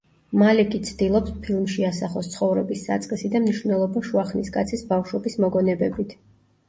მალიკი ცდილობს ფილმში ასახოს ცხოვრების საწყისი და მნიშვნელობა შუა ხნის კაცის ბავშვობის მოგონებებით.